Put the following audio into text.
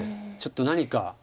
ちょっと何か。